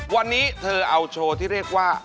วันนี้เธอเอาโชว์ที่เรียกว่า